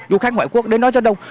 du khách ngoại quốc đến đó rất đông